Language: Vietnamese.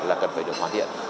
là cần phải được hoàn thiện